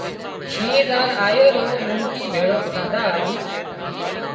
شينهن زار آيو رو لونڪي ڀيۯو کاڌا هارو